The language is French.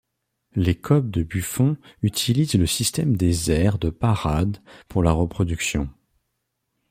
Les Cobe de Buffon utilisent le système des aires de parade pour la reproduction.